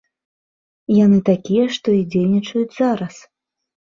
Яны такія ж, што і дзейнічаюць зараз.